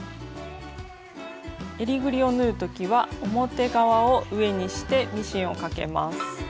えりぐりを縫う時は表側を上にしてミシンをかけます。